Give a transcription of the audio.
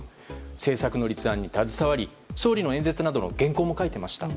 政策の立案に携わり総理の演説などの原稿も書いていました。